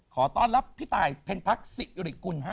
ขอต้อนรับพี่ตายเพ็ญพักศิริกุลฮะ